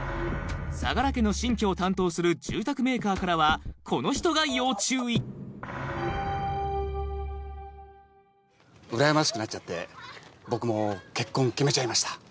相良家の新居を担当する住宅メーカーからはこの人が要注意うらやましくなっちゃって僕も結婚決めちゃいました。